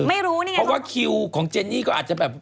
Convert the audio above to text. ไม่รู้นี่ไงเพราะว่าคิวของเจนนี่ก็อาจจะแบบ